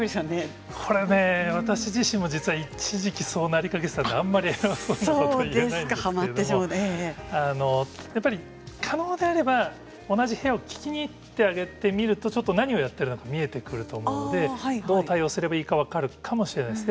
これは私自身も一時期なりかけていたのであまり人のこと言えないんですけれどもやっぱり可能であれば同じ部屋を聞きに行ってあげてみると、ちょっと何をやっているか見えてくるのでどう対応するか分かるかもしれませんね。